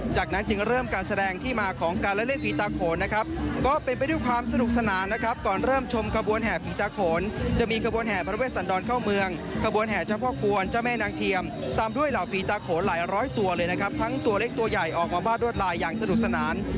จากนั้นจึงเริ่มการแสดงที่มาของการเล่นผีตาโขนนะครับก็เป็นไปด้วยความสนุกสนานนะครับก่อนเริ่มชมขบวนแห่ผีตาโขนจะมีขบวนแห่พระเวทสันดรเข้าเมืองขบวนแห่เจ้าพ่อกวนเจ้าแม่นางเทียมตามด้วยเหล่าผีตาโขนหลายร้อยตัวเลยนะครับทั้งตัวเล็กตัวใหญ่ออกมาวาดรวดลายอย่างสนุกสนาน